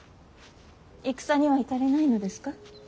戦には行かれないのですか。